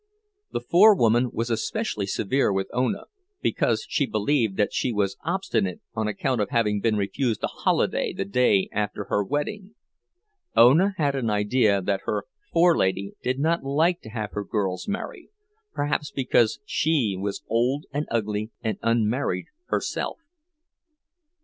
The forewoman was especially severe with Ona, because she believed that she was obstinate on account of having been refused a holiday the day after her wedding. Ona had an idea that her "forelady" did not like to have her girls marry—perhaps because she was old and ugly and unmarried herself.